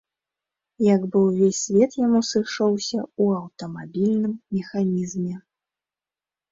Як бы ўвесь свет яму сышоўся ў аўтамабільным механізме.